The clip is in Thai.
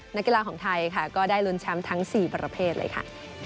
นักกีฬาของไทยค่ะก็ได้ลุ้นแชมป์ทั้ง๔ประเภทเลยค่ะ